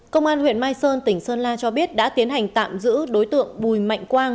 công an huyện mai sơn tỉnh sơn la cho biết đã tiến hành tạm giữ đối tượng bùi mạnh quang